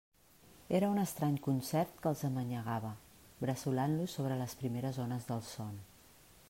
Era un estrany concert que els amanyagava, bressolant-los sobre les primeres ones del son.